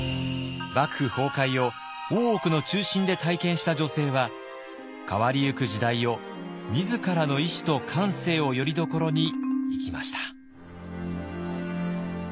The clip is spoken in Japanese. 幕府崩壊を大奥の中心で体験した女性は変わりゆく時代を自らの意志と感性をよりどころに生きました。